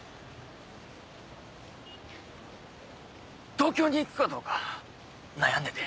東京に行くかどうか悩んでて。